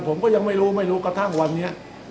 ผมก็ยังไม่รู้ไม่รู้กระทั่งวันนี้